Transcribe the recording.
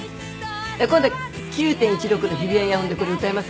今度９．１６の日比谷野音でこれ歌います。